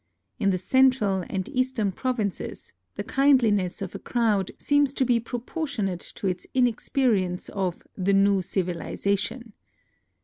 In the central and east ern provinces the kindliness of a crowd seems to be proportionate to its inexperience of " the new civilization."